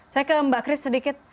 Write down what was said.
saya ke mbak kris sedikit